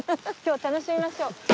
楽しみましょう。